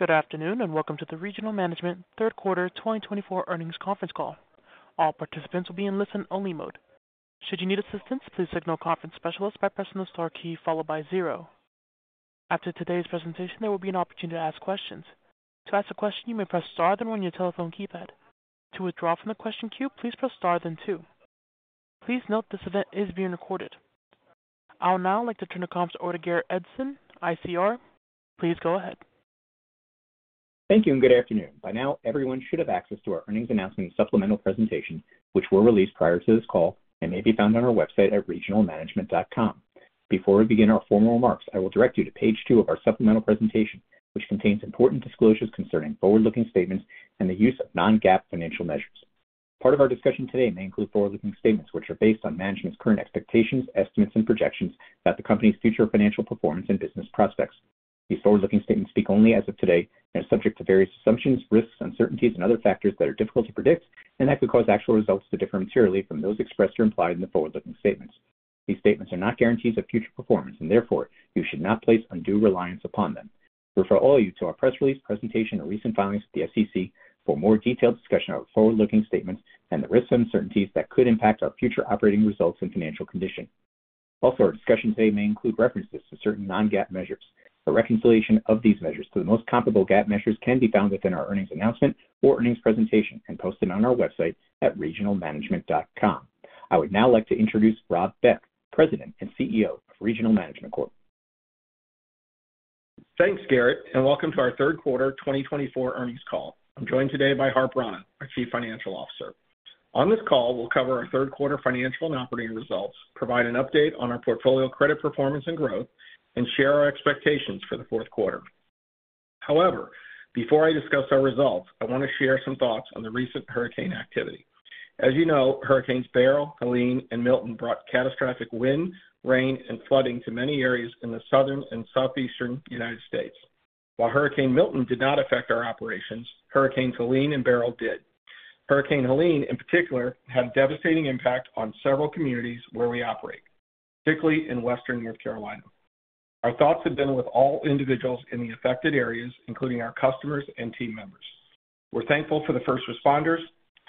Good afternoon and welcome to the Regional Management Third Quarter 2024 Earnings Conference Call. All participants will be in listen-only mode. Should you need assistance, please signal "Conference Specialist" by pressing the star key followed by zero. After today's presentation, there will be an opportunity to ask questions. To ask a question, you may press star then one on your telephone keypad. To withdraw from the question queue, please press star then two. Please note this event is being recorded. I would now like to turn the conference over to Garrett Edson, ICR. Please go ahead. Thank you and good afternoon. By now, everyone should have access to our earnings announcement and supplemental presentation, which were released prior to this call and may be found on our website at regionalmanagement.com. Before we begin our formal remarks, I will direct you to page two of our supplemental presentation, which contains important disclosures concerning forward-looking statements and the use of non-GAAP financial measures. Part of our discussion today may include forward-looking statements, which are based on management's current expectations, estimates, and projections about the company's future financial performance and business prospects. These forward-looking statements speak only as of today and are subject to various assumptions, risks, uncertainties, and other factors that are difficult to predict and that could cause actual results to differ materially from those expressed or implied in the forward-looking statements. These statements are not guarantees of future performance and therefore you should not place undue reliance upon them. I refer all of you to our press release, presentation, or recent filings with the SEC for more detailed discussion of our forward-looking statements and the risks and uncertainties that could impact our future operating results and financial condition. Also, our discussion today may include references to certain non-GAAP measures. A reconciliation of these measures to the most comparable GAAP measures can be found within our earnings announcement or earnings presentation and posted on our website at regionalmanagement.com. I would now like to introduce Rob Beck, President and CEO of Regional Management Corp.. Thanks, Garrett, and welcome to our Third Quarter 2024 Earnings Call. I'm joined today by Harp Rana, our Chief Financial Officer. On this call, we'll cover our third quarter financial and operating results, provide an update on our portfolio credit performance and growth, and share our expectations for the fourth quarter. However, before I discuss our results, I want to share some thoughts on the recent hurricane activity. As you know, Hurricanes Beryl, Helene, and Milton brought catastrophic wind, rain, and flooding to many areas in the southern and southeastern United States. While Hurricane Milton did not affect our operations, Hurricanes Helene and Beryl did. Hurricane Helene, in particular, had a devastating impact on several communities where we operate, particularly in western North Carolina. Our thoughts have been with all individuals in the affected areas, including our customers and team members. We're thankful for the first responders,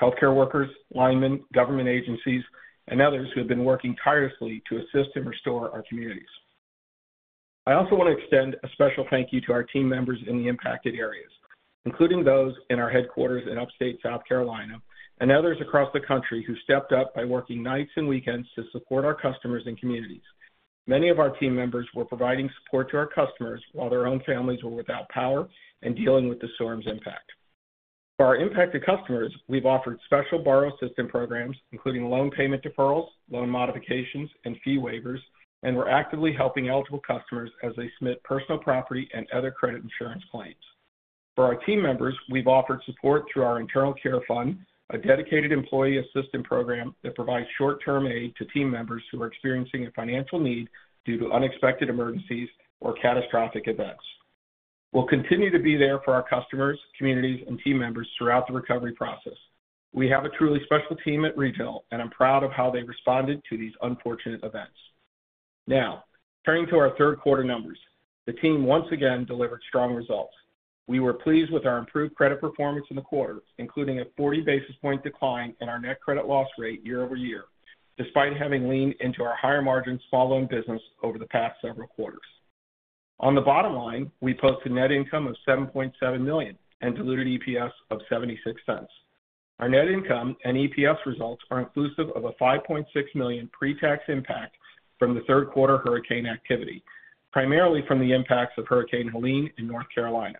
healthcare workers, linemen, government agencies, and others who have been working tirelessly to assist and restore our communities. I also want to extend a special thank you to our team members in the impacted areas, including those in our headquarters in upstate South Carolina and others across the country who stepped up by working nights and weekends to support our customers and communities. Many of our team members were providing support to our customers while their own families were without power and dealing with the storm's impact. For our impacted customers, we've offered special borrower assistance programs, including loan payment deferrals, loan modifications, and fee waivers, and we're actively helping eligible customers as they submit personal property and other credit insurance claims. For our team members, we've offered support through our internal care fund, a dedicated employee assistance program that provides short-term aid to team members who are experiencing a financial need due to unexpected emergencies or catastrophic events. We'll continue to be there for our customers, communities, and team members throughout the recovery process. We have a truly special team at Regional, and I'm proud of how they responded to these unfortunate events. Now, turning to our third quarter numbers, the team once again delivered strong results. We were pleased with our improved credit performance in the quarter, including a 40 basis point decline in our net credit loss rate year over year, despite having leaned into our higher margins small loan business over the past several quarters. On the bottom line, we posted net income of $7.7 million and diluted EPS of $0.76. Our net income and EPS results are inclusive of a $5.6 million pre-tax impact from the third quarter hurricane activity, primarily from the impacts of Hurricane Helene in North Carolina.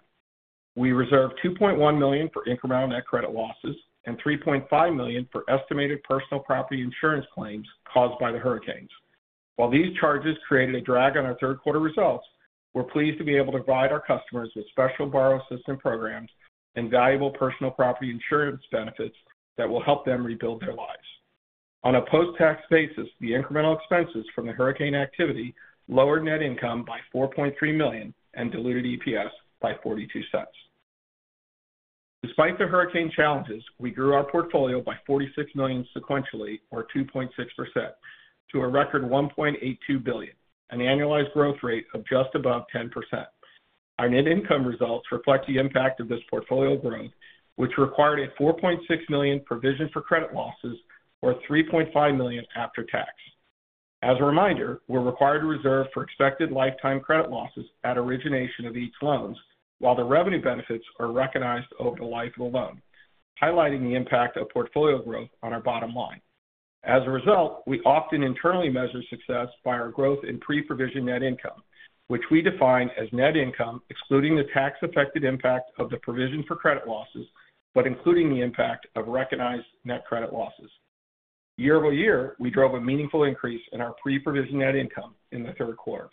We reserved $2.1 million for incremental net credit losses and $3.5 million for estimated personal property insurance claims caused by the hurricanes. While these charges created a drag on our third quarter results, we're pleased to be able to provide our customers with special borrower assistance programs and valuable personal property insurance benefits that will help them rebuild their lives. On a post-tax basis, the incremental expenses from the hurricane activity lowered net income by $4.3 million and diluted EPS by $0.42. Despite the hurricane challenges, we grew our portfolio by $46 million sequentially, or 2.6%, to a record $1.82 billion, an annualized growth rate of just above 10%. Our net income results reflect the impact of this portfolio growth, which required a $4.6 million provision for credit losses, or $3.5 million after tax. As a reminder, we're required to reserve for expected lifetime credit losses at origination of each loan, while the revenue benefits are recognized over the life of the loan, highlighting the impact of portfolio growth on our bottom line. As a result, we often internally measure success by our growth in pre-provision net income, which we define as net income excluding the tax-affected impact of the provision for credit losses, but including the impact of recognized net credit losses. Year-over-year, we drove a meaningful increase in our pre-provision net income in the third quarter.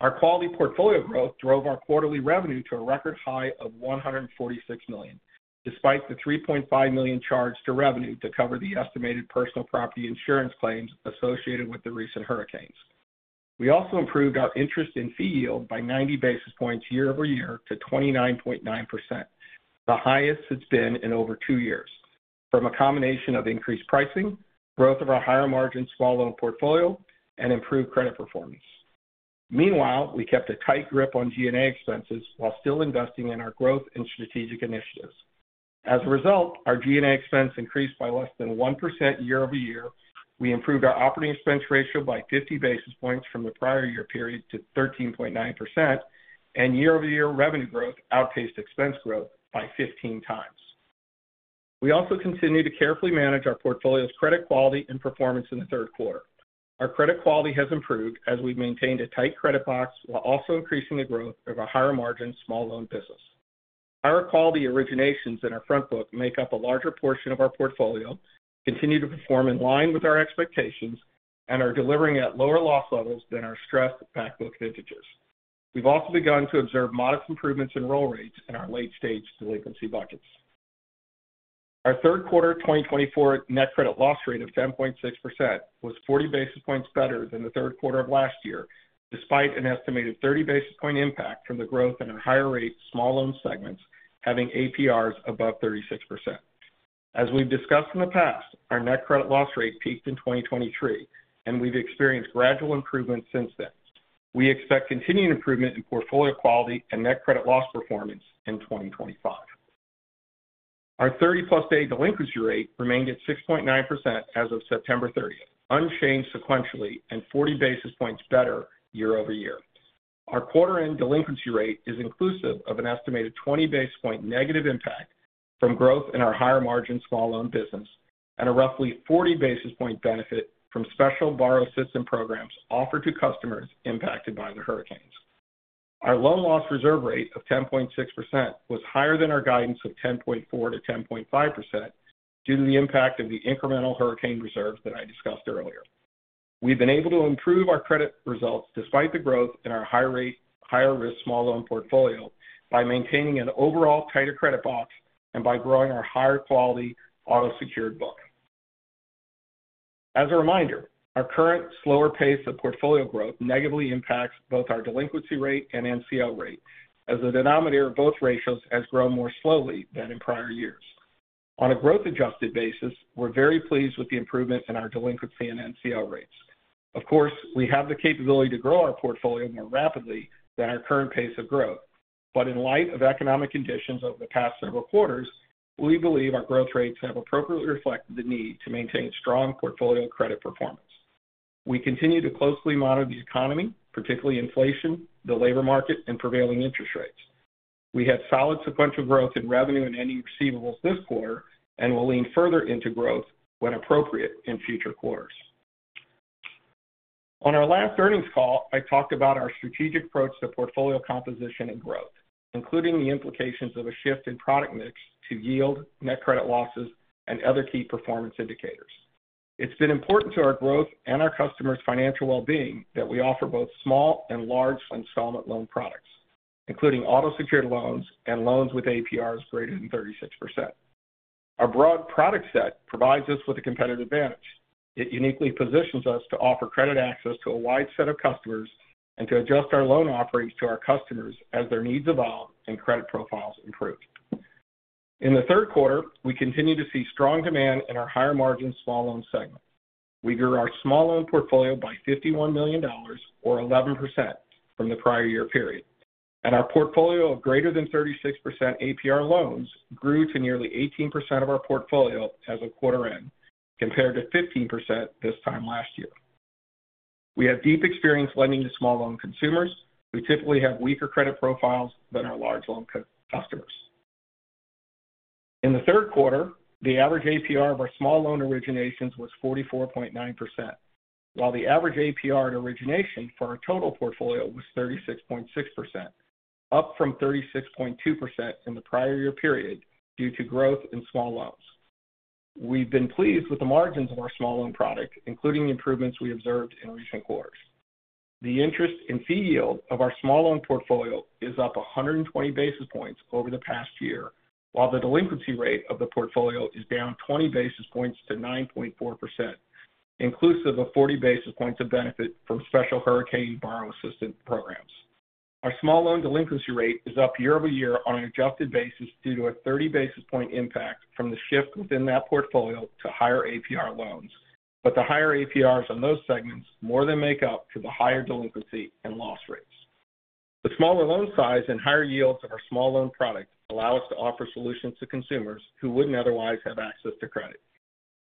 Our quality portfolio growth drove our quarterly revenue to a record high of $146 million, despite the $3.5 million charge to revenue to cover the estimated personal property insurance claims associated with the recent hurricanes. We also improved our interest and fee yield by 90 basis points year-over-year to 29.9%, the highest it's been in over two years, from a combination of increased pricing, growth of our higher margin small loan portfolio, and improved credit performance. Meanwhile, we kept a tight grip on G&A expenses while still investing in our growth and strategic initiatives. As a result, our G&A expense increased by less than 1% year over year. We improved our operating expense ratio by 50 basis points from the prior year period to 13.9%, and year-over-year revenue growth outpaced expense growth by 15x. We also continue to carefully manage our portfolio's credit quality and performance in the third quarter. Our credit quality has improved as we've maintained a tight credit box while also increasing the growth of a higher margin small loan business. Higher quality originations in our front book make up a larger portion of our portfolio, continue to perform in line with our expectations, and are delivering at lower loss levels than our stressed back book vintages. We've also begun to observe modest improvements in roll rates in our late-stage delinquency buckets. Our third quarter 2024 net credit loss rate of 10.6% was 40 basis points better than the third quarter of last year, despite an estimated 30 basis point impact from the growth in our higher rate small loan segments having APRs above 36%. As we've discussed in the past, our net credit loss rate peaked in 2023, and we've experienced gradual improvement since then. We expect continued improvement in portfolio quality and net credit loss performance in 2025. Our 30+ day delinquency rate remained at 6.9% as of September 30, unchanged sequentially and 40 basis points better year over year. Our quarter-end delinquency rate is inclusive of an estimated 20 basis point negative impact from growth in our higher margin small loan business and a roughly 40 basis point benefit from special borrower assistance programs offered to customers impacted by the hurricanes. Our loan loss reserve rate of 10.6% was higher than our guidance of 10.4%-10.5% due to the impact of the incremental hurricane reserves that I discussed earlier. We've been able to improve our credit results despite the growth in our higher risk small loan portfolio by maintaining an overall tighter credit box and by growing our higher quality auto-secured book. As a reminder, our current slower pace of portfolio growth negatively impacts both our delinquency rate and NCL rate, as the denominator of both ratios has grown more slowly than in prior years. On a growth-adjusted basis, we're very pleased with the improvement in our delinquency and NCL rates. Of course, we have the capability to grow our portfolio more rapidly than our current pace of growth, but in light of economic conditions over the past several quarters, we believe our growth rates have appropriately reflected the need to maintain strong portfolio credit performance. We continue to closely monitor the economy, particularly inflation, the labor market, and prevailing interest rates. We had solid sequential growth in revenue and ending receivables this quarter and will lean further into growth when appropriate in future quarters. On our last earnings call, I talked about our strategic approach to portfolio composition and growth, including the implications of a shift in product mix to yield, net credit losses, and other key performance indicators. It's been important to our growth and our customers' financial well-being that we offer both small and large installment loan products, including auto-secured loans and loans with APRs greater than 36%. Our broad product set provides us with a competitive advantage. It uniquely positions us to offer credit access to a wide set of customers and to adjust our loan offerings to our customers as their needs evolve and credit profiles improve. In the third quarter, we continue to see strong demand in our higher margin small loan segment. We grew our small loan portfolio by $51 million, or 11%, from the prior year period, and our portfolio of greater than 36% APR loans grew to nearly 18% of our portfolio as of quarter end, compared to 15% this time last year. We have deep experience lending to small loan consumers. We typically have weaker credit profiles than our large loan customers. In the third quarter, the average APR of our small loan originations was 44.9%, while the average APR at origination for our total portfolio was 36.6%, up from 36.2% in the prior year period due to growth in small loans. We've been pleased with the margins of our small loan product, including the improvements we observed in recent quarters. The interest and fee yield of our small loan portfolio is up 120 basis points over the past year, while the delinquency rate of the portfolio is down 20 basis points to 9.4%, inclusive of 40 basis points of benefit from special hurricane borrow assistance programs. Our small loan delinquency rate is up year over year on an adjusted basis due to a 30 basis point impact from the shift within that portfolio to higher APR loans, but the higher APRs on those segments more than make up for the higher delinquency and loss rates. The smaller loan size and higher yields of our small loan product allow us to offer solutions to consumers who wouldn't otherwise have access to credit.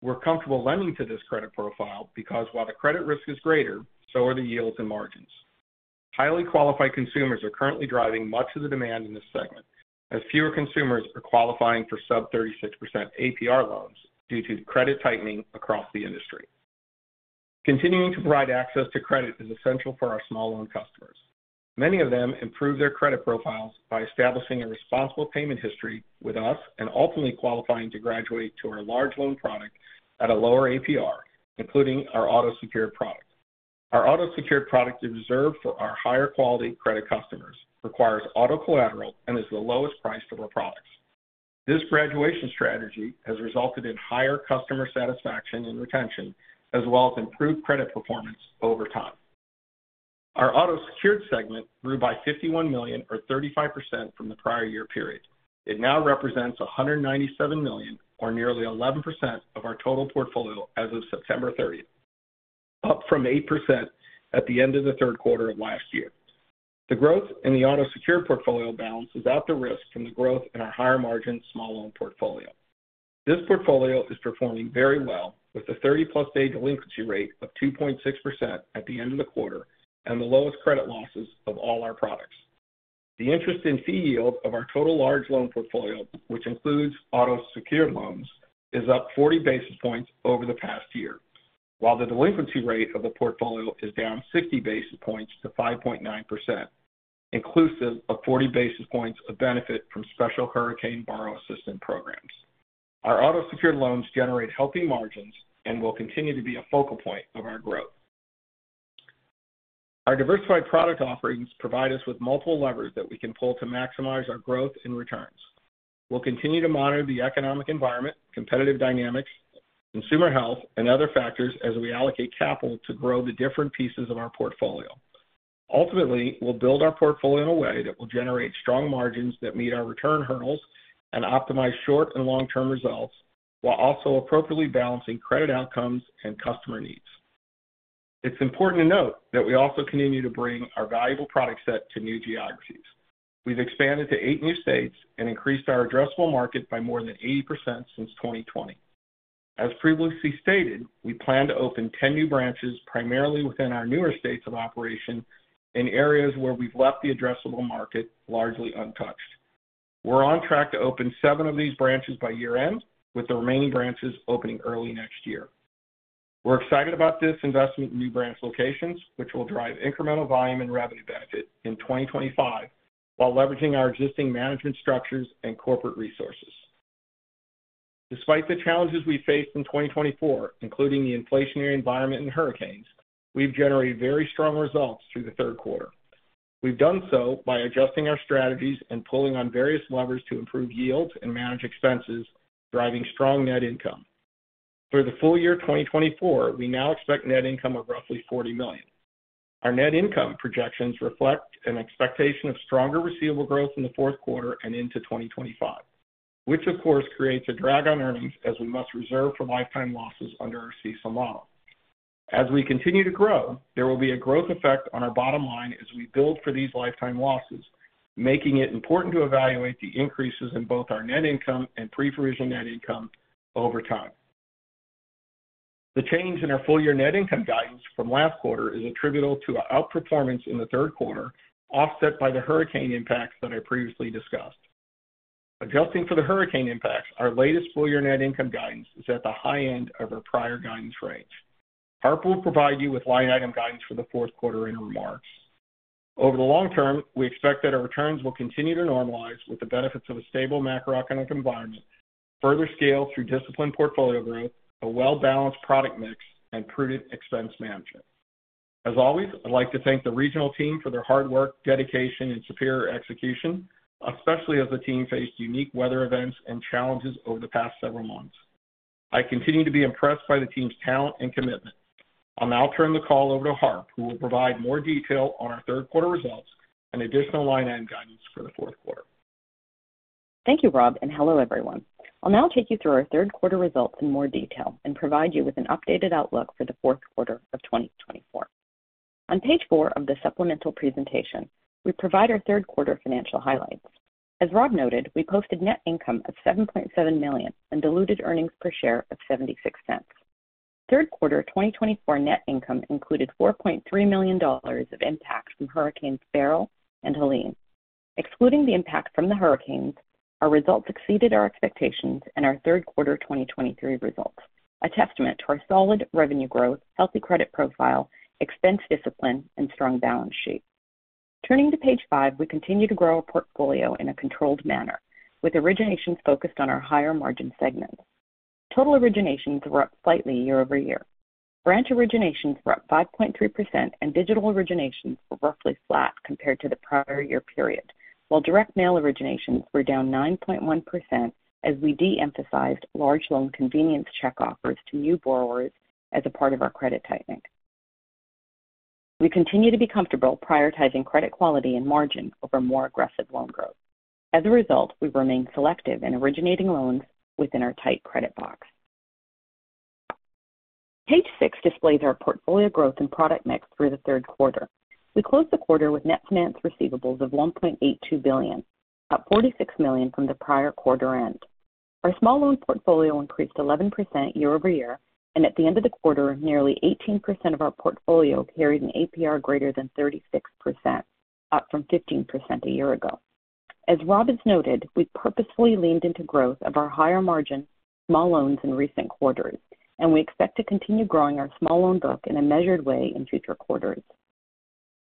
We're comfortable lending to this credit profile because while the credit risk is greater, so are the yields and margins. Highly qualified consumers are currently driving much of the demand in this segment, as fewer consumers are qualifying for sub-36% APR loans due to credit tightening across the industry. Continuing to provide access to credit is essential for our small loan customers. Many of them improve their credit profiles by establishing a responsible payment history with us and ultimately qualifying to graduate to our large loan product at a lower APR, including our auto-secured product. Our auto-secured product is reserved for our higher quality credit customers, requires auto collateral, and is the lowest price for our products. This graduation strategy has resulted in higher customer satisfaction and retention, as well as improved credit performance over time. Our auto-secured segment grew by $51 million, or 35%, from the prior year period. It now represents $197 million, or nearly 11% of our total portfolio as of September 30, up from 8% at the end of the third quarter of last year. The growth in the auto-secured portfolio balance is at the risk from the growth in our higher margin small loan portfolio. This portfolio is performing very well, with a 30-plus day delinquency rate of 2.6% at the end of the quarter and the lowest credit losses of all our products. The interest and fee yield of our total large loan portfolio, which includes auto-secured loans, is up 40 basis points over the past year, while the delinquency rate of the portfolio is down 60 basis points to 5.9%, inclusive of 40 basis points of benefit from special hurricane borrow assistance programs. Our auto-secured loans generate healthy margins and will continue to be a focal point of our growth. Our diversified product offerings provide us with multiple levers that we can pull to maximize our growth and returns. We'll continue to monitor the economic environment, competitive dynamics, consumer health, and other factors as we allocate capital to grow the different pieces of our portfolio. Ultimately, we'll build our portfolio in a way that will generate strong margins that meet our return hurdles and optimize short and long-term results, while also appropriately balancing credit outcomes and customer needs. It's important to note that we also continue to bring our valuable product set to new geographies. We've expanded to eight new states and increased our addressable market by more than 80% since 2020. As previously stated, we plan to open 10 new branches, primarily within our newer states of operation in areas where we've left the addressable market largely untouched. We're on track to open seven of these branches by year-end, with the remaining branches opening early next year. We're excited about this investment in new branch locations, which will drive incremental volume and revenue benefit in 2025 while leveraging our existing management structures and corporate resources. Despite the challenges we faced in 2024, including the inflationary environment and hurricanes, we've generated very strong results through the third quarter. We've done so by adjusting our strategies and pulling on various levers to improve yields and manage expenses, driving strong net income. For the full year 2024, we now expect net income of roughly $40 million. Our net income projections reflect an expectation of stronger receivable growth in the fourth quarter and into 2025, which, of course, creates a drag on earnings as we must reserve for lifetime losses under our CESL. As we continue to grow, there will be a growth effect on our bottom line as we build for these lifetime losses, making it important to evaluate the increases in both our net income and pre-provision net income over time. The change in our full year net income guidance from last quarter is attributable to outperformance in the third quarter, offset by the hurricane impacts that I previously discussed. Adjusting for the hurricane impacts, our latest full year net income guidance is at the high end of our prior guidance range. Harp will provide you with line item guidance for the fourth quarter and remarks. Over the long term, we expect that our returns will continue to normalize with the benefits of a stable macroeconomic environment, further scale through disciplined portfolio growth, a well-balanced product mix, and prudent expense management. As always, I'd like to thank the Regional team for their hard work, dedication, and superior execution, especially as the team faced unique weather events and challenges over the past several months. I continue to be impressed by the team's talent and commitment. I'll now turn the call over to Harp, who will provide more detail on our third quarter results and additional line item guidance for the fourth quarter. Thank you, Rob, and hello, everyone. I'll now take you through our third quarter results in more detail and provide you with an updated outlook for the fourth quarter of 2024. On page four of the supplemental presentation, we provide our third quarter financial highlights. As Rob noted, we posted net income of $7.7 million and diluted earnings per share of $0.76. Third quarter 2024 net income included $4.3 million of impact from Hurricanes Beryl and Helene. Excluding the impact from the hurricanes, our results exceeded our expectations and our third quarter 2023 results, a testament to our solid revenue growth, healthy credit profile, expense discipline, and strong balance sheet. Turning to page five, we continue to grow our portfolio in a controlled manner, with originations focused on our higher margin segments. Total originations were up slightly year-over-year. Branch originations were up 5.3%, and digital originations were roughly flat compared to the prior year period, while direct mail originations were down 9.1% as we de-emphasized large loan convenience check offers to new borrowers as a part of our credit tightening. We continue to be comfortable prioritizing credit quality and margin over more aggressive loan growth. As a result, we remain selective in originating loans within our tight credit box. Page six displays our portfolio growth and product mix through the third quarter. We closed the quarter with net finance receivables of $1.82 billion, up $46 million from the prior quarter end. Our small loan portfolio increased 11% year over year, and at the end of the quarter, nearly 18% of our portfolio carried an APR greater than 36%, up from 15% a year ago. As Rob has noted, we've purposefully leaned into growth of our higher margin small loans in recent quarters, and we expect to continue growing our small loan book in a measured way in future quarters.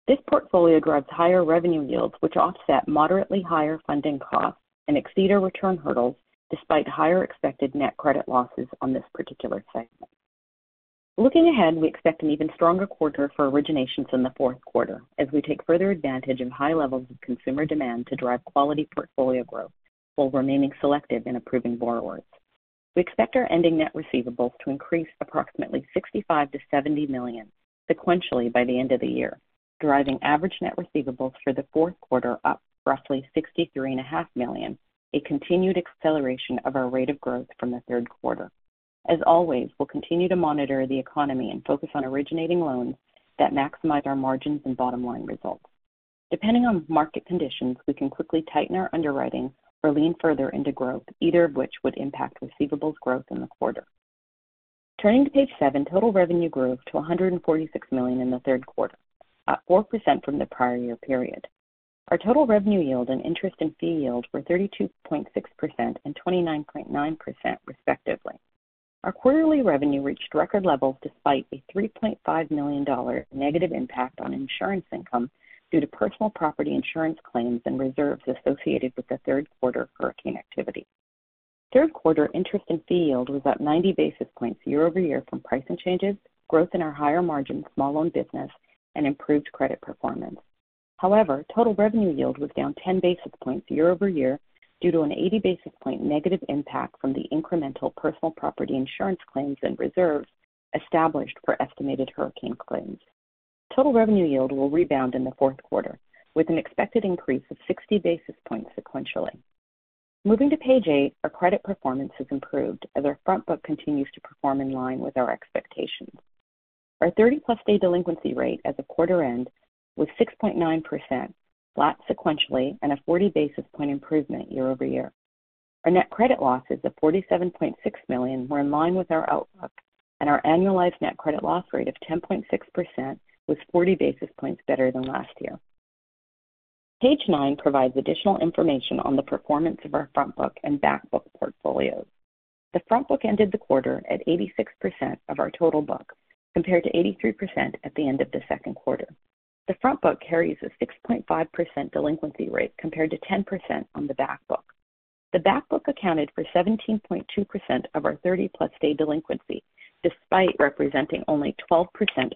This portfolio drives higher revenue yields, which offset moderately higher funding costs and exceed our return hurdles despite higher expected net credit losses on this particular segment. Looking ahead, we expect an even stronger quarter for originations in the fourth quarter as we take further advantage of high levels of consumer demand to drive quality portfolio growth while remaining selective in approving borrowers. We expect our ending net receivables to increase approximately $65 million-$70 million sequentially by the end of the year, driving average net receivables for the fourth quarter up roughly $63.5 million, a continued acceleration of our rate of growth from the third quarter. As always, we'll continue to monitor the economy and focus on originating loans that maximize our margins and bottom line results. Depending on market conditions, we can quickly tighten our underwriting or lean further into growth, either of which would impact receivables growth in the quarter. Turning to page seven, total revenue grew to $146 million in the third quarter, up 4% from the prior year period. Our total revenue yield and interest and fee yield were 32.6% and 29.9%, respectively. Our quarterly revenue reached record levels despite a $3.5 million negative impact on insurance income due to personal property insurance claims and reserves associated with the third quarter hurricane activity. Third quarter interest and fee yield was up 90 basis points year over year from pricing changes, growth in our higher margin small loan business, and improved credit performance. However, total revenue yield was down 10 basis points year over year due to an 80 basis point negative impact from the incremental personal property insurance claims and reserves established for estimated hurricane claims. Total revenue yield will rebound in the fourth quarter with an expected increase of 60 basis points sequentially. Moving to page eight, our credit performance has improved as our front book continues to perform in line with our expectations. Our 30+ day delinquency rate as of quarter end was 6.9%, flat sequentially, and a 40 basis point improvement year over year. Our net credit losses of $47.6 million were in line with our outlook, and our annualized net credit loss rate of 10.6% was 40 basis points better than last year. Page nine provides additional information on the performance of our front book and back book portfolios. The front book ended the quarter at 86% of our total book compared to 83% at the end of the second quarter. The front book carries a 6.5% delinquency rate compared to 10% on the back book. The back book accounted for 17.2% of our 30+ day delinquency despite representing only 12%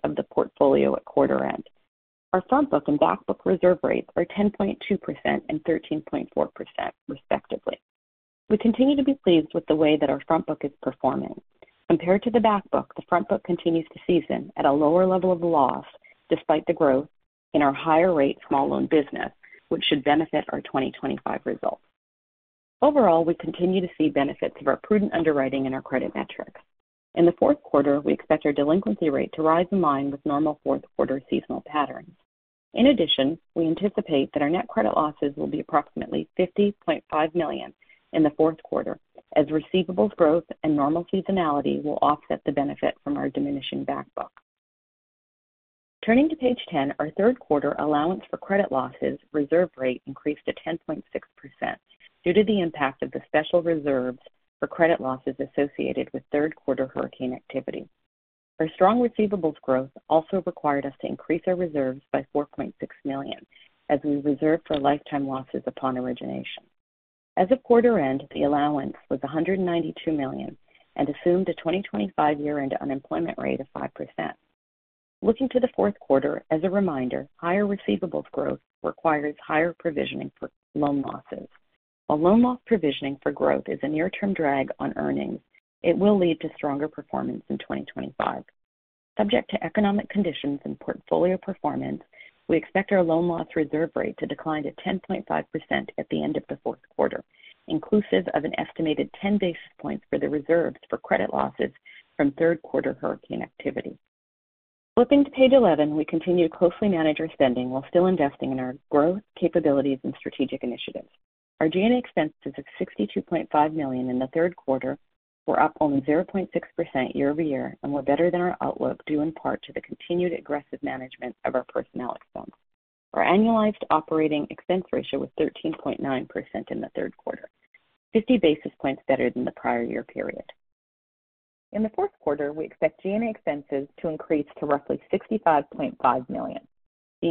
of the portfolio at quarter end. Our front book and back book reserve rates are 10.2% and 13.4%, respectively. We continue to be pleased with the way that our front book is performing. Compared to the back book, the front book continues to season at a lower level of loss despite the growth in our higher rate small loan business, which should benefit our 2025 results. Overall, we continue to see benefits of our prudent underwriting and our credit metrics. In the fourth quarter, we expect our delinquency rate to rise in line with normal fourth quarter seasonal patterns. In addition, we anticipate that our net credit losses will be approximately $50.5 million in the fourth quarter as receivables growth and normal seasonality will offset the benefit from our diminishing back book. Turning to page 10, our third quarter allowance for credit losses reserve rate increased to 10.6% due to the impact of the special reserves for credit losses associated with third quarter hurricane activity. Our strong receivables growth also required us to increase our reserves by $4.6 million as we reserved for lifetime losses upon origination. As of quarter end, the allowance was $192 million and assumed a 2025 year-end unemployment rate of 5%. Looking to the fourth quarter, as a reminder, higher receivables growth requires higher provisioning for loan losses. While loan loss provisioning for growth is a near-term drag on earnings, it will lead to stronger performance in 2025. Subject to economic conditions and portfolio performance, we expect our loan loss reserve rate to decline to 10.5% at the end of the fourth quarter, inclusive of an estimated 10 basis points for the reserves for credit losses from third quarter hurricane activity. Flipping to page 11, we continue to closely manage our spending while still investing in our growth capabilities and strategic initiatives. Our G&A expenses of $62.5 million in the third quarter were up only 0.6% year-over-year and were better than our outlook due in part to the continued aggressive management of our personnel expense. Our annualized operating expense ratio was 13.9% in the third quarter, 50 basis points better than the prior year period. In the fourth quarter, we expect G&A expenses to increase to roughly $65.5 million. The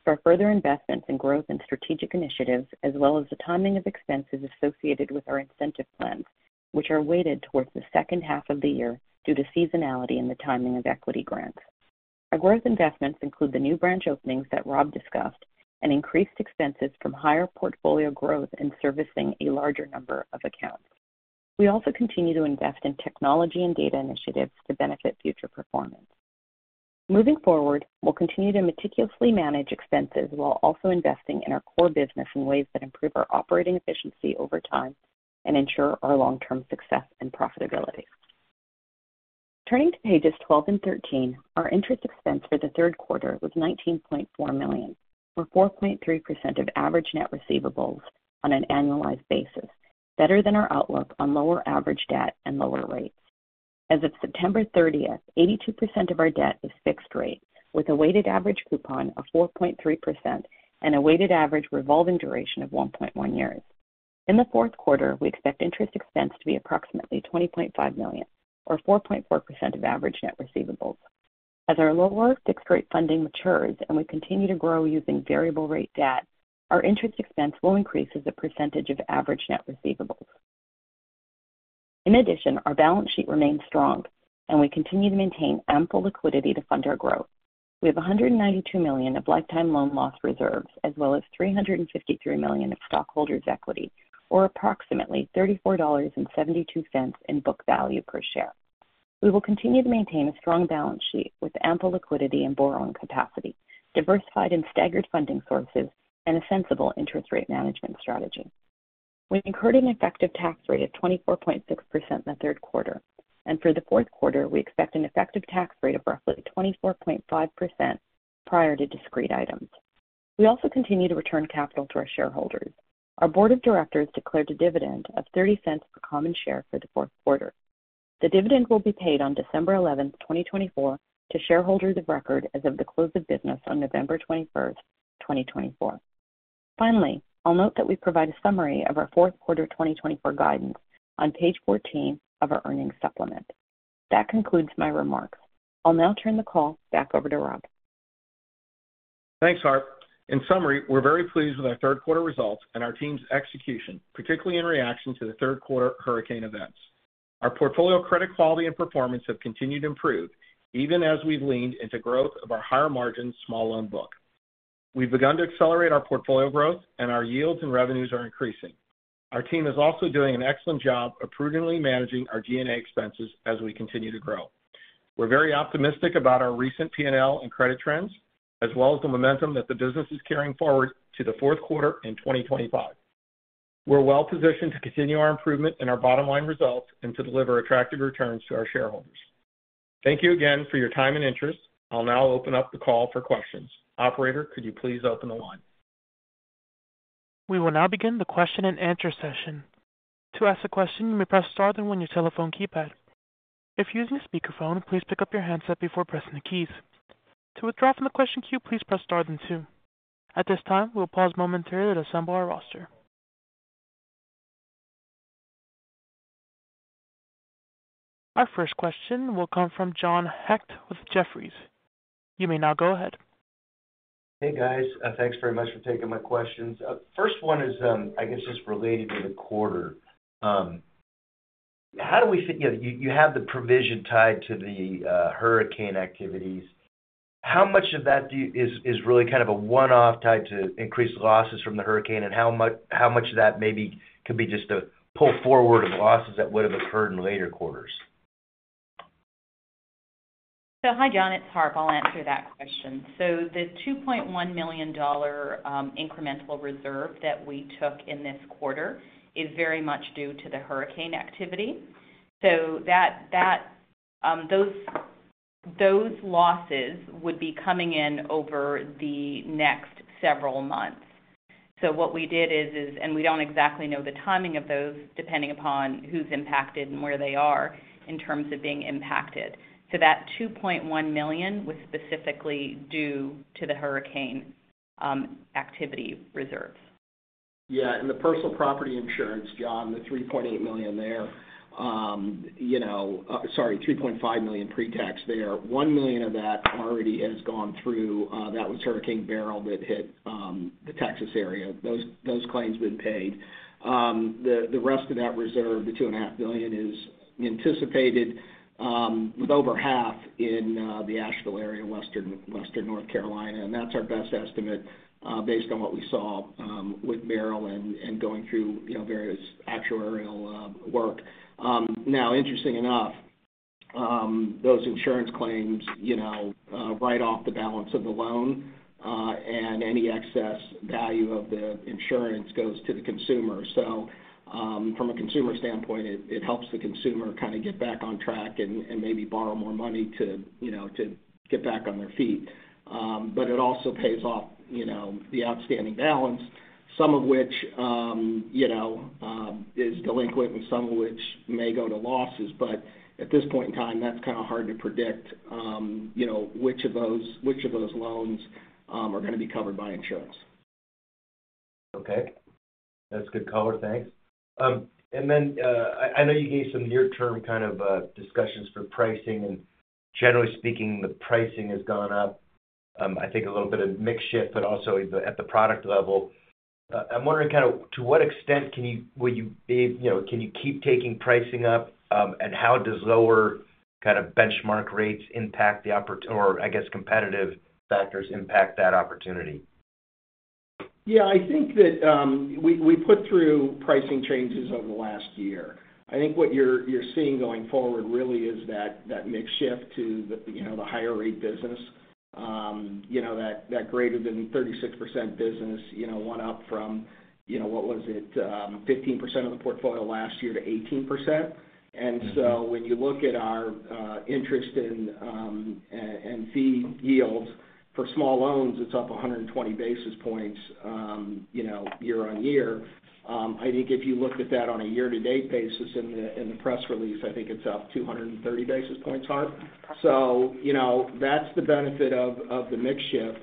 increase in G&A expenses is attributable to further investments in growth and strategic initiatives, as well as the timing of expenses associated with our incentive plans, which are weighted towards the second half of the year due to seasonality and the timing of equity grants. Our growth investments include the new branch openings that Rob discussed and increased expenses from higher portfolio growth and servicing a larger number of accounts. We also continue to invest in technology and data initiatives to benefit future performance. Moving forward, we'll continue to meticulously manage expenses while also investing in our core business in ways that improve our operating efficiency over time and ensure our long-term success and profitability. Turning to pages 12 and 13, our interest expense for the third quarter was $19.4 million, or 4.3% of average net receivables on an annualized basis, better than our outlook on lower average debt and lower rates. As of September 30th, 82% of our debt is fixed rate with a weighted average coupon of 4.3% and a weighted average revolving duration of 1.1 years. In the fourth quarter, we expect interest expense to be approximately $20.5 million, or 4.4% of average net receivables. As our lower fixed rate funding matures and we continue to grow using variable rate debt, our interest expense will increase as a percentage of average net receivables. In addition, our balance sheet remains strong and we continue to maintain ample liquidity to fund our growth. We have $192 million of lifetime loan loss reserves as well as $353 million of stockholders' equity, or approximately $34.72 in book value per share. We will continue to maintain a strong balance sheet with ample liquidity and borrowing capacity, diversified and staggered funding sources, and a sensible interest rate management strategy. We incurred an effective tax rate of 24.6% in the third quarter, and for the fourth quarter, we expect an effective tax rate of roughly 24.5% prior to discrete items. We also continue to return capital to our shareholders. Our board of directors declared a dividend of $0.30 per common share for the fourth quarter. The dividend will be paid on December 11th, 2024, to shareholders of record as of the close of business on November 21st, 2024. Finally, I'll note that we provide a summary of our fourth quarter 2024 guidance on page 14 of our earnings supplement. That concludes my remarks. I'll now turn the call back over to Rob. Thanks, Harp. In summary, we're very pleased with our third quarter results and our team's execution, particularly in reaction to the third quarter hurricane events. Our portfolio credit quality and performance have continued to improve even as we've leaned into growth of our higher margin small loan book. We've begun to accelerate our portfolio growth and our yields and revenues are increasing. Our team is also doing an excellent job of prudently managing our G&A expenses as we continue to grow. We're very optimistic about our recent P&L and credit trends, as well as the momentum that the business is carrying forward to the fourth quarter in 2025. We're well positioned to continue our improvement in our bottom line results and to deliver attractive returns to our shareholders. Thank you again for your time and interest. I'll now open up the call for questions. Operator, could you please open the line? We will now begin the question and answer session. To ask a question, you may press star, then one on your telephone keypad. If you're using a speakerphone, please pick up your handset before pressing the keys. To withdraw from the question queue, please press star, then two. At this time, we'll pause momentarily to assemble our roster. Our first question will come from John Hecht with Jefferies. You may now go ahead. Hey, guys. Thanks very much for taking my questions. First one is, I guess, just related to the quarter. How do we fit? You have the provision tied to the hurricane activities. How much of that is really kind of a one-off tied to increased losses from the hurricane and how much of that maybe could be just a pull forward of losses that would have occurred in later quarters? So, hi, John. It's Harp. I'll answer that question. So the $2.1 million incremental reserve that we took in this quarter is very much due to the hurricane activity. So those losses would be coming in over the next several months. So what we did is, and we don't exactly know the timing of those depending upon who's impacted and where they are in terms of being impacted. So that $2.1 million was specifically due to the hurricane activity reserves. Yeah. And the personal property insurance, John, the $3.8 million there. Sorry, $3.5 million pre-tax there. $1 million of that already has gone through. That was Hurricane Beryl that hit the Texas area. Those claims have been paid. The rest of that reserve, the $2.5 million, is anticipated with over half in the Asheville area, western North Carolina. And that's our best estimate based on what we saw with Beryl and going through various actuarial work. Now, interesting enough, those insurance claims write off the balance of the loan, and any excess value of the insurance goes to the consumer. So from a consumer standpoint, it helps the consumer kind of get back on track and maybe borrow more money to get back on their feet. But it also pays off the outstanding balance, some of which is delinquent and some of which may go to losses. But at this point in time, that's kind of hard to predict which of those loans are going to be covered by insurance. Okay. That's good color. Thanks. And then I know you gave some near-term kind of discussions for pricing. And generally speaking, the pricing has gone up, I think a little bit of mixed shift, but also at the product level. I'm wondering kind of to what extent will you keep taking pricing up, and how does lower kind of benchmark rates impact the, or I guess, competitive factors impact that opportunity? Yeah. I think that we put through pricing changes over the last year. I think what you're seeing going forward really is that mixed shift to the higher rate business, that greater than 36% business went up from, what was it, 15% of the portfolio last year to 18%. And so when you look at our interest and fee yields for small loans, it's up 120 basis points year-on-year. I think if you looked at that on a year-to-date basis in the press release, I think it's up 230 basis points, Harp. So that's the benefit of the mixed shift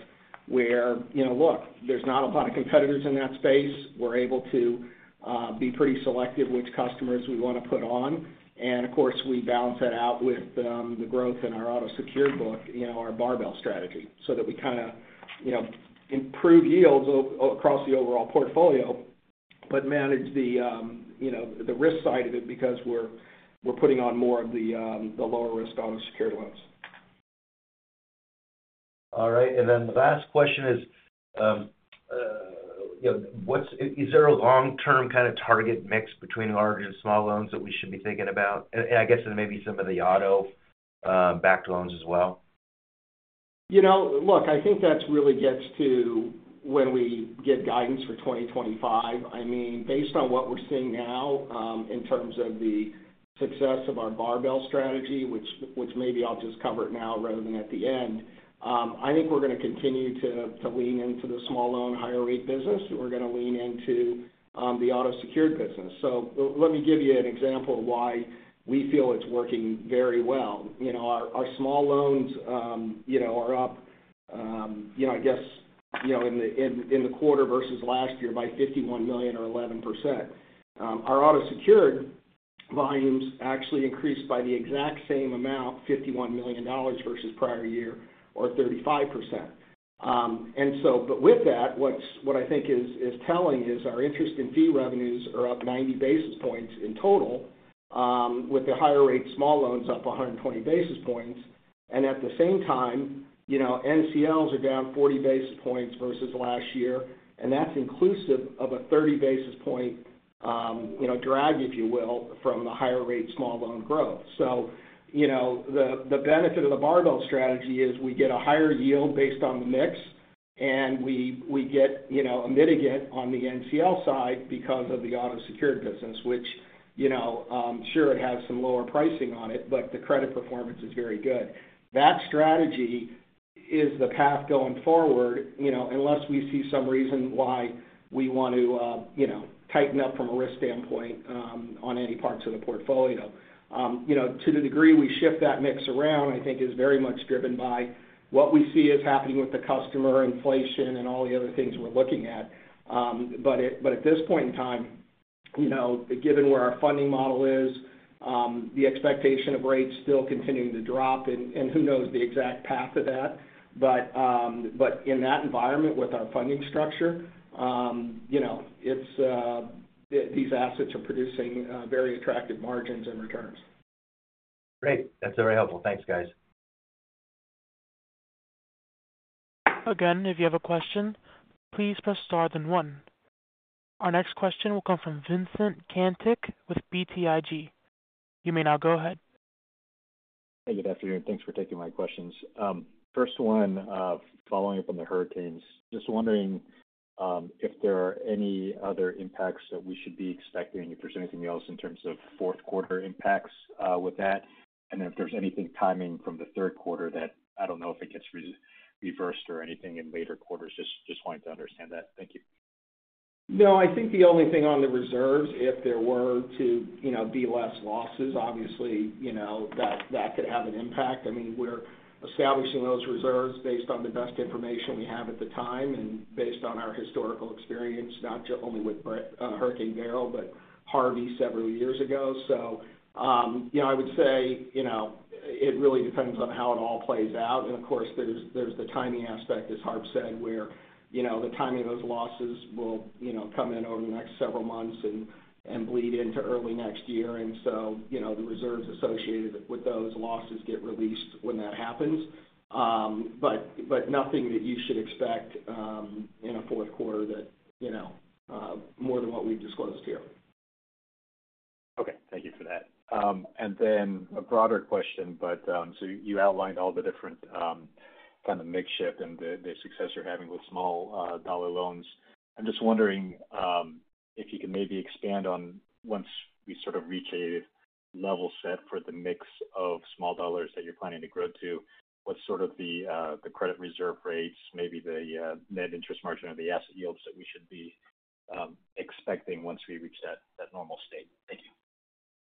where, look, there's not a lot of competitors in that space. We're able to be pretty selective which customers we want to put on. Of course, we balance that out with the growth in our auto-secured book, our barbell strategy, so that we kind of improve yields across the overall portfolio but manage the risk side of it because we're putting on more of the lower risk auto-secured loans. All right. The last question is, is there a long-term kind of target mix between large and small loans that we should be thinking about? I guess then maybe some of the auto-secured loans as well. Look, I think that really gets to when we get guidance for 2025. I mean, based on what we're seeing now in terms of the success of our barbell strategy, which maybe I'll just cover it now rather than at the end, I think we're going to continue to lean into the small loan higher rate business. We're going to lean into the auto-secured business. So let me give you an example of why we feel it's working very well. Our small loans are up, I guess, in the quarter versus last year by $51 million or 11%. Our auto-secured volumes actually increased by the exact same amount, $51 million versus prior year or 35%. And so, but with that, what I think is telling is our interest and fee revenues are up 90 basis points in total with the higher rate small loans up 120 basis points. And at the same time, NCLs are down 40 basis points versus last year, and that's inclusive of a 30 basis point drag, if you will, from the higher rate small loan growth. The benefit of the barbell strategy is we get a higher yield based on the mix, and we get mitigation on the NCL side because of the auto-secured business, which, sure, it has some lower pricing on it, but the credit performance is very good. That strategy is the path going forward unless we see some reason why we want to tighten up from a risk standpoint on any parts of the portfolio. To the degree we shift that mix around, I think is very much driven by what we see is happening with the customer, inflation, and all the other things we're looking at. But at this point in time, given where our funding model is, the expectation of rates still continuing to drop, and who knows the exact path of that. But in that environment with our funding structure, these assets are producing very attractive margins and returns. Great. That's very helpful. Thanks, guys. Again, if you have a question, please press star then one. Our next question will come from Vincent Caintic with BTIG. You may now go ahead. Hey, good afternoon. Thanks for taking my questions. First one, following up on the hurricanes, just wondering if there are any other impacts that we should be expecting, if there's anything else in terms of fourth quarter impacts with that, and then if there's anything timing from the third quarter that I don't know if it gets reversed or anything in later quarters. Just wanting to understand that. Thank you. No, I think the only thing on the reserves, if there were to be less losses, obviously, that could have an impact. I mean, we're establishing those reserves based on the best information we have at the time and based on our historical experience, not only with Hurricane Beryl but Harvey several years ago. So I would say it really depends on how it all plays out. And of course, there's the timing aspect, as Harp said, where the timing of those losses will come in over the next several months and bleed into early next year. And so the reserves associated with those losses get released when that happens. But nothing that you should expect in a fourth quarter that more than what we've disclosed here. Okay. Thank you for that. And then a broader question, but so you outlined all the different kind of mixed shift and the success you're having with small dollar loans. I'm just wondering if you can maybe expand on, once we sort of reach a level set for the mix of small dollars that you're planning to grow to, what's sort of the credit reserve rates, maybe the net interest margin of the asset yields that we should be expecting once we reach that normal state? Thank you.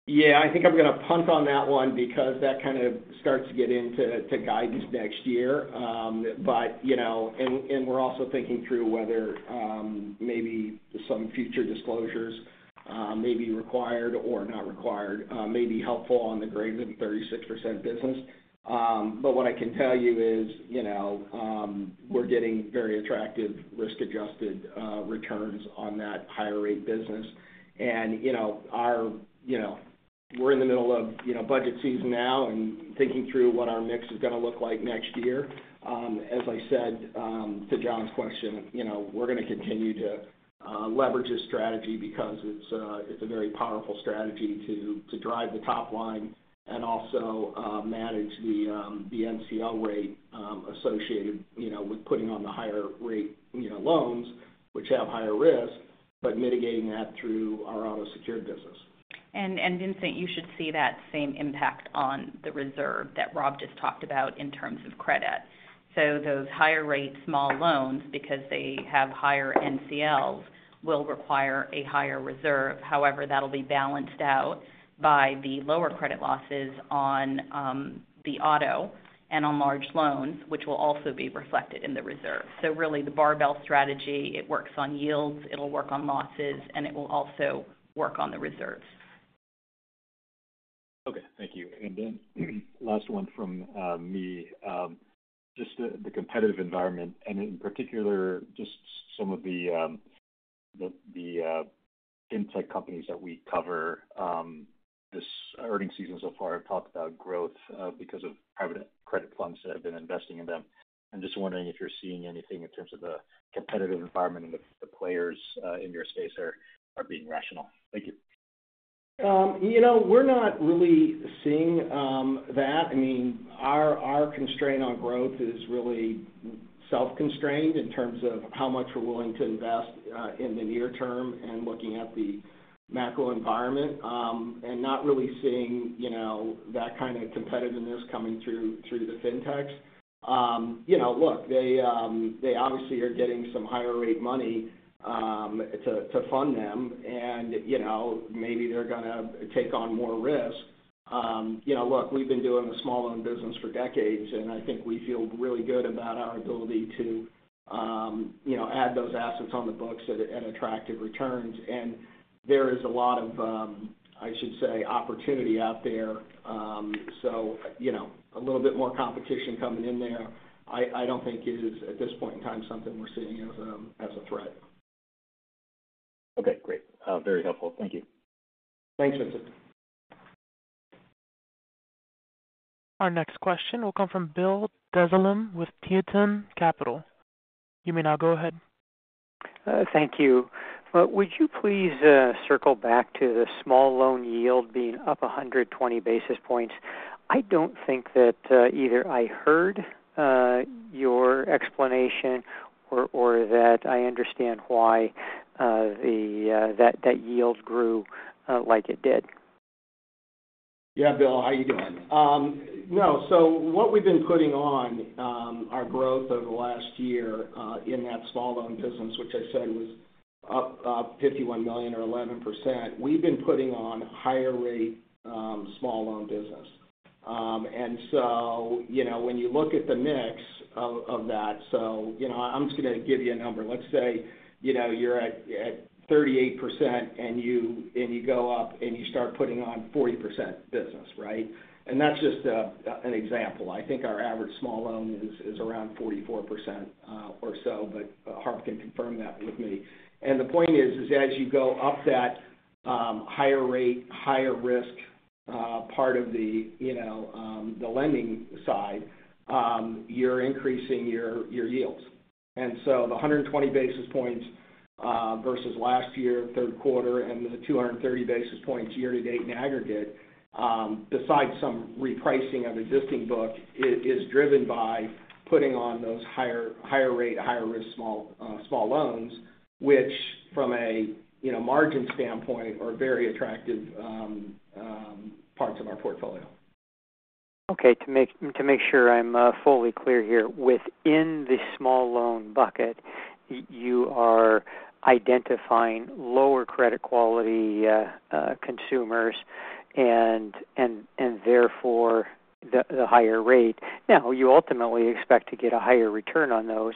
Yeah. I think I'm going to punt on that one because that kind of starts to get into guidance next year, but we're also thinking through whether maybe some future disclosures may be required or not required, maybe helpful on the greater than 36% business, but what I can tell you is we're getting very attractive risk-adjusted returns on that higher rate business, and we're in the middle of budget season now and thinking through what our mix is going to look like next year. As I said to John's question, we're going to continue to leverage this strategy because it's a very powerful strategy to drive the top line and also manage the NCL rate associated with putting on the higher rate loans, which have higher risk, but mitigating that through our auto-secured business. And Vincent, you should see that same impact on the reserve that Rob just talked about in terms of credit. So those higher rate small loans, because they have higher NCLs, will require a higher reserve. However, that'll be balanced out by the lower credit losses on the auto and on large loans, which will also be reflected in the reserve. So really, the barbell strategy, it works on yields, it'll work on losses, and it will also work on the reserves. Okay. Thank you. And then last one from me, just the competitive environment, and in particular, just some of the non-prime companies that we cover this earnings season so far. I've talked about growth because of private credit funds that have been investing in them. I'm just wondering if you're seeing anything in terms of the competitive environment and if the players in your space are being rational. Thank you. We're not really seeing that. I mean, our constraint on growth is really self-constrained in terms of how much we're willing to invest in the near term and looking at the macro environment and not really seeing that kind of competitiveness coming through the FinTechs. Look, they obviously are getting some higher rate money to fund them, and maybe they're going to take on more risk. Look, we've been doing a small loan business for decades, and I think we feel really good about our ability to add those assets on the books at attractive returns. And there is a lot of, I should say, opportunity out there. So a little bit more competition coming in there, I don't think is, at this point in time, something we're seeing as a threat. Okay. Great. Very helpful. Thank you. Thanks, Vincent. Our next question will come from Bill Dezellem with Tieton Capital Management. You may now go ahead. Thank you. Would you please circle back to the small loan yield being up 120 basis points? I don't think that either I heard your explanation or that I understand why that yield grew like it did. Yeah, Bill. How are you doing? No. What we've been putting on our growth over the last year in that small loan business, which I said was up $51 million or 11%, we've been putting on higher rate small loan business. And so when you look at the mix of that, so I'm just going to give you a number. Let's say you're at 38%, and you go up and you start putting on 40% business, right? And that's just an example. I think our average small loan is around 44% or so, but Harp can confirm that with me. And the point is, as you go up that higher rate, higher risk part of the lending side, you're increasing your yields. The 120 basis points versus last year, third quarter, and the 230 basis points year-to-date and aggregate, besides some repricing of existing book, is driven by putting on those higher rate, higher risk small loans, which from a margin standpoint are very attractive parts of our portfolio. Okay. To make sure I'm fully clear here, within the small loan bucket, you are identifying lower credit quality consumers and therefore the higher rate. Now, you ultimately expect to get a higher return on those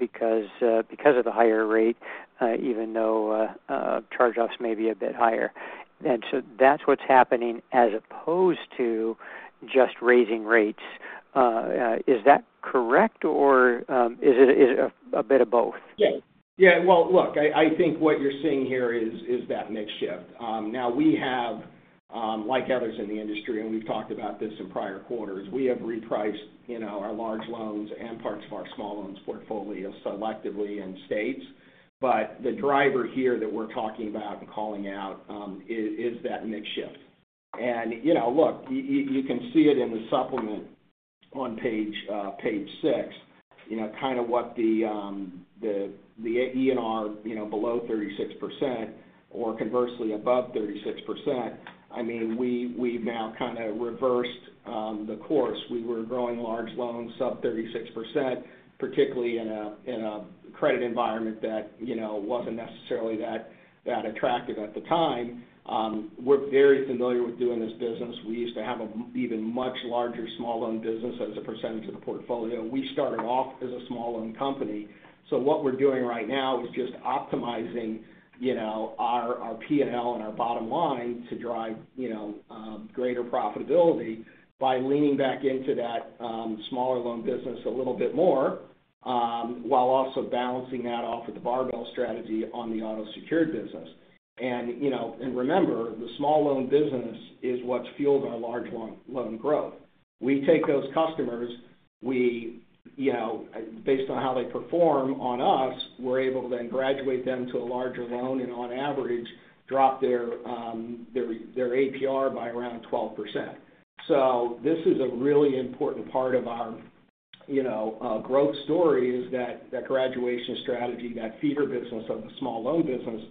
because of the higher rate, even though charge-offs may be a bit higher. That's what's happening as opposed to just raising rates. Is that correct, or is it a bit of both? Yeah. Look, I think what you're seeing here is that mixed shift. Now, we have, like others in the industry, and we've talked about this in prior quarters, we have repriced our large loans and parts of our small loans portfolio selectively in states. But the driver here that we're talking about and calling out is that mixed shift. And look, you can see it in the supplement on page six, kind of what the mix below 36% or conversely above 36%. I mean, we've now kind of reversed the course. We were growing large loans sub 36%, particularly in a credit environment that wasn't necessarily that attractive at the time. We're very familiar with doing this business. We used to have an even much larger small loan business as a percentage of the portfolio. We started off as a small loan company. So what we're doing right now is just optimizing our P&L and our bottom line to drive greater profitability by leaning back into that small loan business a little bit more while also balancing that off of the barbell strategy on the auto-secured business. And remember, the small loan business is what's fueled our large loan growth. We take those customers. Based on how they perform on us, we're able to then graduate them to a larger loan and, on average, drop their APR by around 12%. So this is a really important part of our growth story, is that graduation strategy, that feeder business of the small loan business.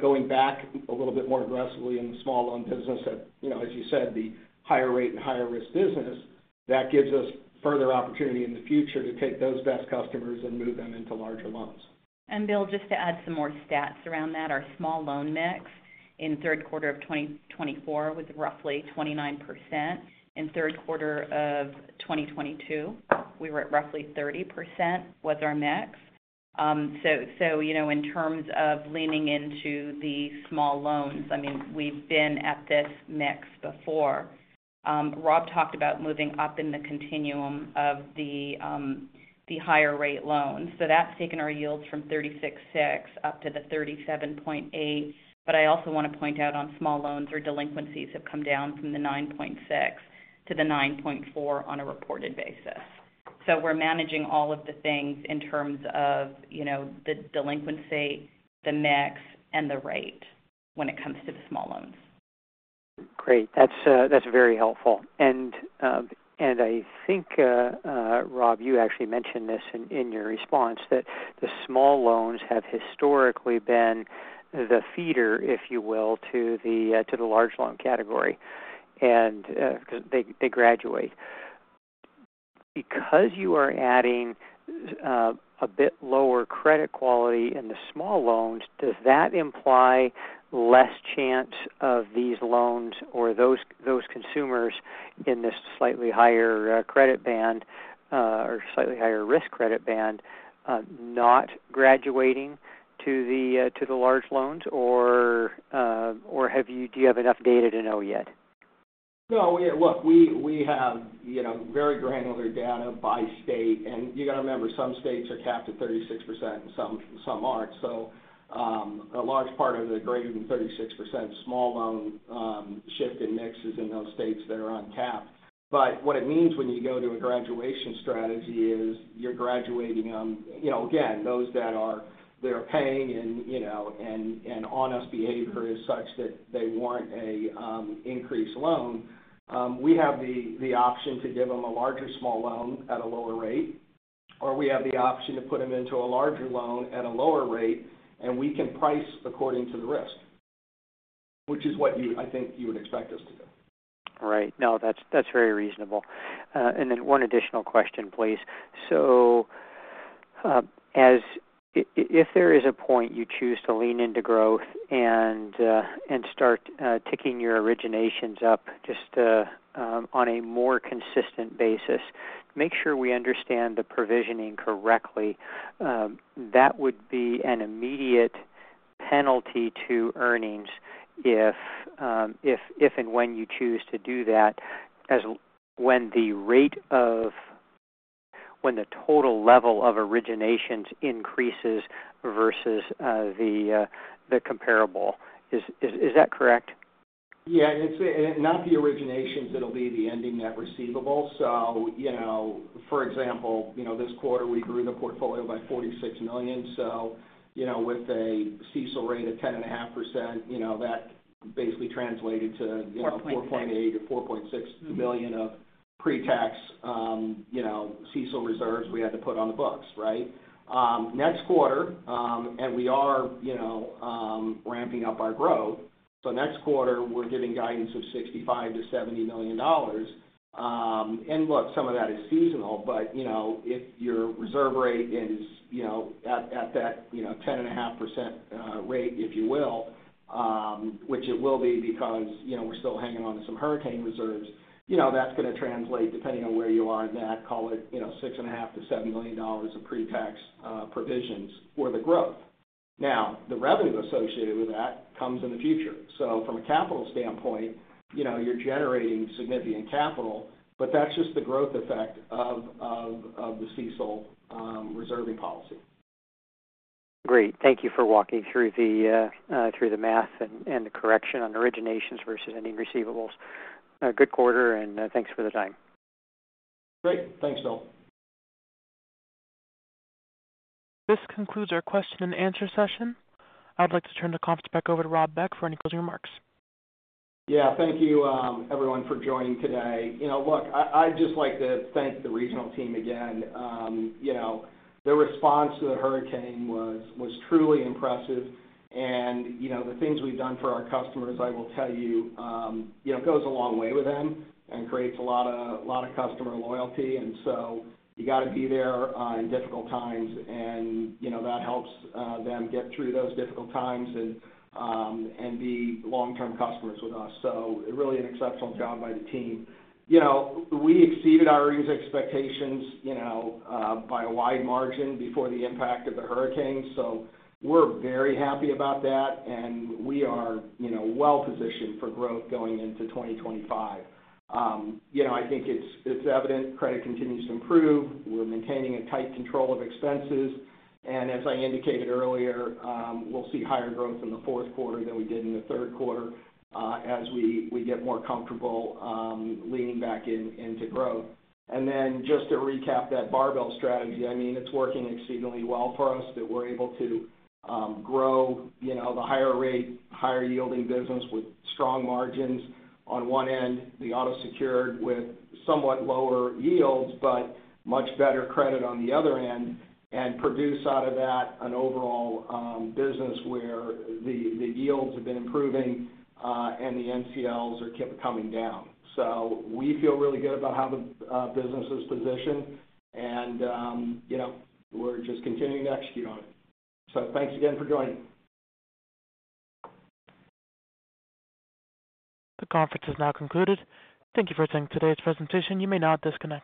Going back a little bit more aggressively in the small loan business, as you said, the higher rate and higher risk business, that gives us further opportunity in the future to take those best customers and move them into larger loans. And Bill, just to add some more stats around that, our small loan mix in third quarter of 2024 was roughly 29%. In third quarter of 2022, we were at roughly 30% was our mix. In terms of leaning into the small loans, I mean, we've been at this mix before. Rob talked about moving up in the continuum of the higher rate loans. That's taken our yields from 36.6% up to the 37.8%. But I also want to point out on small loans, our delinquencies have come down from the 9.6% to the 9.4% on a reported basis. So we're managing all of the things in terms of the delinquency, the mix, and the rate when it comes to the small loans Great. That's very helpful, and I think, Rob, you actually mentioned this in your response, that the small loans have historically been the feeder, if you will, to the large loan category because they graduate. Because you are adding a bit lower credit quality in the small loans, does that imply less chance of these loans or those consumers in this slightly higher credit band or slightly higher risk credit band not graduating to the large loans? Or do you have enough data to know yet? No. Yeah. Look, we have very granular data by state, and you got to remember, some states are capped at 36% and some aren't. So a large part of the greater than 36% small loan shift and mix is in those states that are uncapped. But what it means when you go to a graduation strategy is you're graduating on, again, those that are paying and honest behavior is such that they want an increased loan. We have the option to give them a larger small loan at a lower rate, or we have the option to put them into a larger loan at a lower rate, and we can price according to the risk, which is what I think you would expect us to do. Right. No, that's very reasonable. And then one additional question, please. So if there is a point you choose to lean into growth and start ticking your originations up just on a more consistent basis, make sure we understand the provisioning correctly. That would be an immediate penalty to earnings if and when you choose to do that when the rate of the total level of originations increases versus the comparable. Is that correct? Yeah. And it's not the originations that'll be the ending net receivable. So for example, this quarter, we grew the portfolio by $46 million. So with a CESO rate of 10.5%, that basically translated to $4.8 million or $4.6 million of pre-tax CESO reserves we had to put on the books, right? Next quarter, and we are ramping up our growth. So next quarter, we're getting guidance of $65 million-$70 million. And look, some of that is seasonal, but if your reserve rate is at that 10.5% rate, if you will, which it will be because we're still hanging on to some hurricane reserves, that's going to translate, depending on where you are in that, call it $6.5 million-$7 million of pre-tax provisions for the growth. Now, the revenue associated with that comes in the future. So from a capital standpoint, you're generating significant capital, but that's just the growth effect of the CECL reserving policy. Great. Thank you for walking through the math and the correction on originations versus ending receivables. Good quarter, and thanks for the time. Great. Thanks, Bill. This concludes our question and answer session. I'd like to turn the conference back over to Rob Beck for any closing remarks. Yeah. Thank you, everyone, for joining today. Look, I'd just like to thank the Regional team again. The response to the hurricane was truly impressive, and the things we've done for our customers, I will tell you, goes a long way with them and creates a lot of customer loyalty, and so you got to be there in difficult times, and that helps them get through those difficult times and be long-term customers with us, so really an exceptional job by the team. We exceeded our earnings expectations by a wide margin before the impact of the hurricane, so we're very happy about that, and we are well-positioned for growth going into 2025. I think it's evident credit continues to improve. We're maintaining a tight control of expenses, and as I indicated earlier, we'll see higher growth in the fourth quarter than we did in the third quarter as we get more comfortable leaning back into growth. And then just to recap that barbell strategy, I mean, it's working exceedingly well for us that we're able to grow the higher rate, higher yielding business with strong margins on one end, the auto-secured with somewhat lower yields, but much better credit on the other end, and produce out of that an overall business where the yields have been improving and the NCLs are coming down. So we feel really good about how the business is positioned, and we're just continuing to execute on it. So thanks again for joining. The conference is now concluded. Thank you for attending today's presentation. You may now disconnect.